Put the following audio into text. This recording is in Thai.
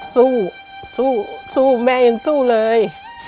สู้สู้แม่ยังสู้เลย